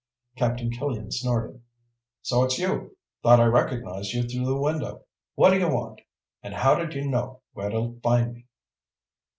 Captain Killian snorted. "So it's you. Thought I recognized you through the window. What d'you want? And how did you know where to find me?"